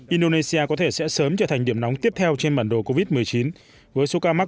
indonesia có thể sẽ sớm trở thành điểm nóng tiếp theo trên bản đồ covid một mươi chín với số ca mắc